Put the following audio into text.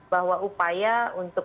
bahwa upaya untuk